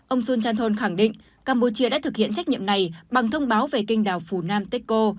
ông sun chanthol khẳng định campuchia đã thực hiện trách nhiệm này bằng thông báo về kênh đảo funanteko